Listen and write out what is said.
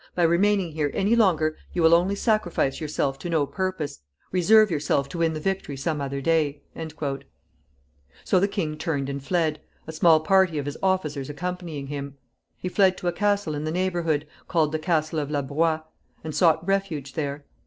By remaining here any longer you will only sacrifice yourself to no purpose. Reserve yourself to win the victory some other day." So the king turned and fled, a small party of his officers accompanying him. He fled to a castle in the neighborhood, called the Castle of La Broye, and sought refuge there.